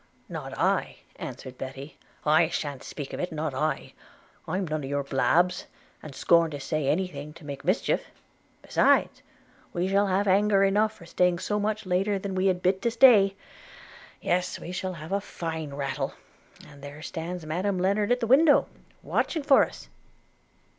'Not I,' answered Betty, 'I shan't speak of it, not I. – I'm none of your blabs – and scorn to say any thing to make mischief; – besides, we shall have anger enough for staying so much later than we were bid to stay. Yes; we shall have a fine rattle; and there stands Madam Lennard at the window, watching for us.'